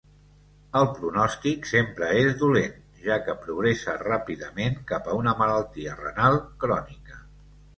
El pronòstic sempre és dolent, ja que progressa ràpidament cap a una malaltia renal crònica.